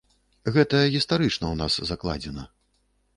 Гэта гістарычна ў нас закладзена.